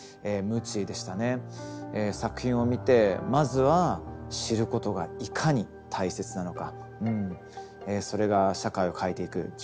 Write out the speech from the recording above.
作品を見てまずは知ることがいかに大切なのかそれが社会を変えていくきっかけになっていくと思います。